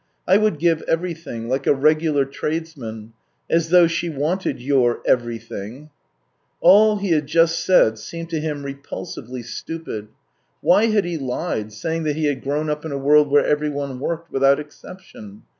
" I would give everything — like a regular tradesman. As though she wanted your everything !" All he had just said seemed to him repulsively stupid. Why had he lied, saying that he had grown up in a world where everyone worked, without exception